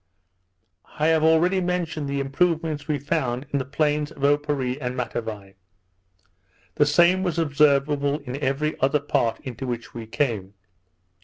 I have already mentioned the improvements we found in the plains of Oparree and Matavai. The same was observable in every other part into which we came.